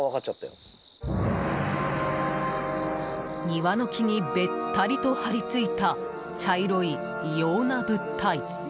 庭の木にべったりと張り付いた茶色い異様な物体。